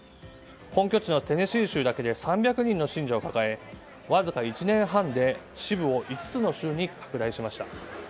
本拠地のテネシー州だけで３００人の信者を抱えわずか１年半で支部を５つの州に拡大しました。